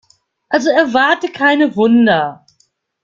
Also erwarte keine Wunder.